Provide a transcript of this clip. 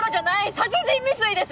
殺人未遂です！